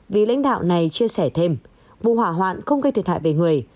vì lãnh đạo này chia sẻ thêm vụ hỏa hoạn không gây thiệt hại về người